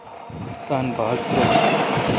تان باگ ترو۔